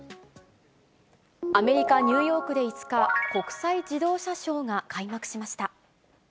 アメリカ・ニューヨークで５日、国際自動車ショーが開幕しました。